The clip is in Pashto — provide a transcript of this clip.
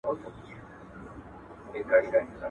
دا ویده پښتون له خوبه پاڅومه!